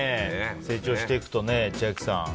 成長していくとね、千秋さん。